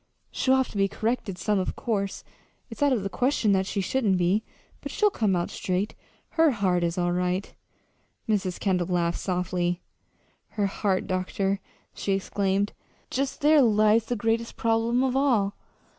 She'll have to be corrected, some, of course; it's out of the question that she shouldn't be. But she'll come out straight. Her heart is all right." Mrs. Kendall laughed softly. "Her heart, doctor!" she exclaimed. "Just there lies the greatest problem of all.